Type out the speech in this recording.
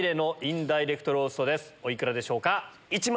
お幾らでしょうか？